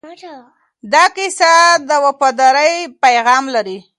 دا کیسه د وفادارۍ پیغام لري.